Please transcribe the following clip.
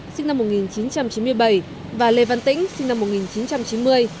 sinh năm một nghìn chín trăm chín mươi bảy và lê văn tĩnh sinh năm một nghìn chín trăm chín mươi